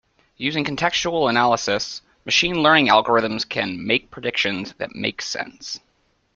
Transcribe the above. Using contextual analysis, machine learning algorithms can make predictions that make sense.